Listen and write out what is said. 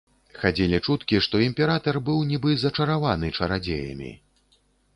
Хадзілі чуткі, што імператар быў нібы зачараваны чарадзеямі.